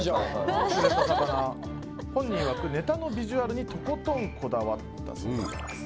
本人いわくネタのビジュアルにとことん、こだわったそう。